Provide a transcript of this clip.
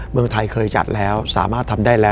เมืองไทยเคยจัดแล้วสามารถทำได้แล้ว